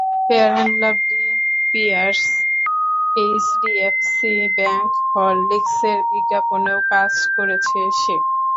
Fair and Lovely, Pears, HDFC Bank, হরলিকসের বিজ্ঞাপনেও কাজ করেছে সে।